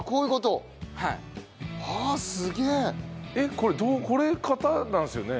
これどうこれ型なんですよね？